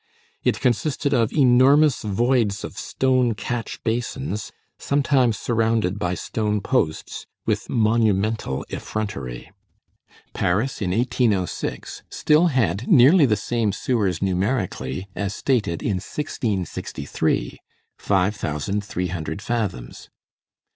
It consisted of enormous voids of stone catch basins sometimes surrounded by stone posts, with monumental effrontery. Paris in 1806 still had nearly the same sewers numerically as stated in 1663; five thousand three hundred fathoms.